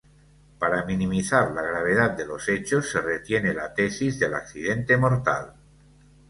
Para minimizar la gravedad de los hechos, se retiene la tesis del accidente mortal.